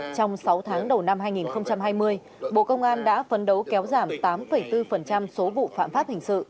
trong sáu tháng đầu năm hai nghìn hai mươi bộ công an đã phấn đấu kéo giảm tám bốn số vụ phạm pháp hình sự